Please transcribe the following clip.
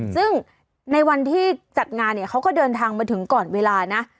ซึ่งในวันที่จัดงานเนี่ยเขาก็เดินทางมาถึงก่อนเวลานะ